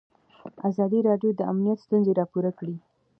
ازادي راډیو د امنیت ستونزې راپور کړي.